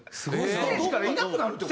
ステージからいなくなるって事？